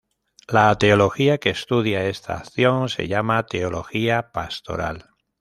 La teología que estudia esta acción se llama teología pastoral.